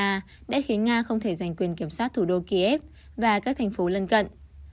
lý do mạnh mẽ của quân đội ukraine đã khiến nga không thể giành quyền kiểm soát thủ đô kiev và các thành phố lân cận